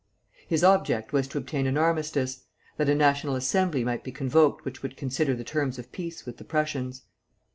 His object was to obtain an armistice, that a National Assembly might be convoked which would consider the terms of peace with the Prussians.